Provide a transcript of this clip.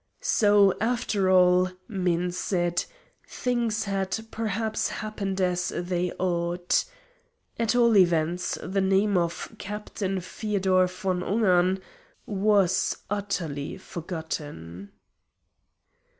So after all, men said, things had perhaps happened as they ought. At all events, the name of Captain Feodor Von Ungern was utterly forgotten.